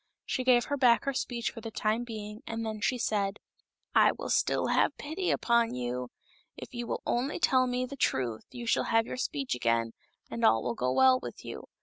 She gave her back her speech for the time being, and then she said. " I will still have pity upon you. If you will only tell me the truth you shall have your speech again, and all will go well with you.